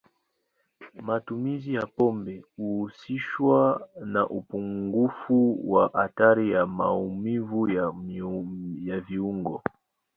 Matumizi ya pombe huhusishwa na upungufu wa hatari ya maumivu ya viungo.